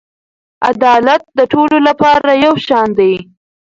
عدالت د ټولو لپاره یو شان دی.